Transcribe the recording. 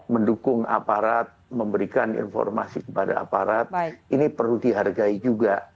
mendukung aparat memberikan informasi kepada aparat ini perlu dihargai juga